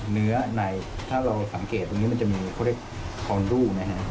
เนื้อในถ้าเราสังเกตตรงนี้มันจะมีเขาเรียกคอนรูนะฮะ